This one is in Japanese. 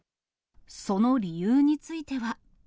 その理由については。